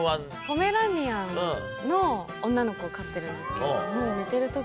ポメラニアンの女の子を飼ってるんですけれども。